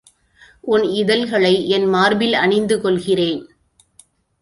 உன் இதழ்களை என் மார்பில் அணிந்து கொள்கிறேன்.